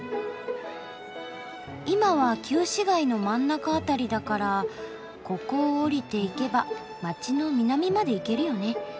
今は旧市街の真ん中辺りだからここを下りていけば街の南まで行けるよね。